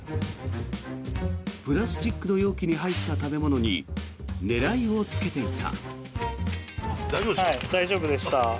プラスチックの容器に入った食べ物に狙いをつけていた。